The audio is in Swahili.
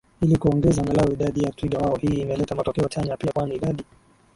ili kuongeza angalau idadi ya twiga wao Hii imeleta matokeo chanya pia kwani idadi